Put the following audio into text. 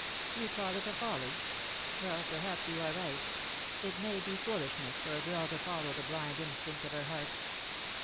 " You call it a folly ? Well, perhaps you are right. It may be foolishness for a girl to follow the blind instinct of her heart."